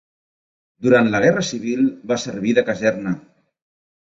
Durant la Guerra Civil va servir de caserna.